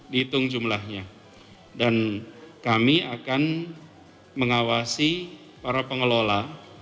dihitung jumlahnya dan kami akan mengawasi para pengelola